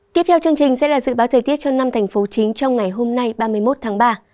tiếp theo chương trình sẽ là dự báo thời tiết cho năm thành phố chính trong ngày hôm nay ba mươi một tháng ba